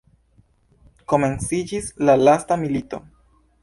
Komenciĝis la lasta milito.